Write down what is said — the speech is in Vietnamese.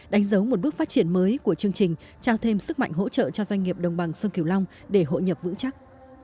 đánh dấu một bước phát triển mới của chương trình trao thêm sức mạnh hỗ trợ cho doanh nghiệp đồng bằng sông kiều long để hội nhập vững chắc